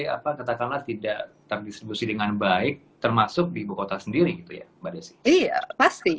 apa katakanlah tidak terdistribusi dengan baik termasuk di bukota sendiri itu ya iya pasti